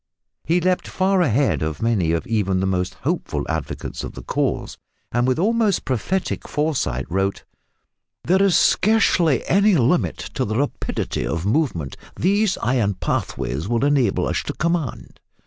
He leaped far ahead of many of even the most hopeful advocates of the cause, and with almost prophetic foresight wrote, "there is scarcely any limit to the rapidity of movement these iron pathways will enable us to command."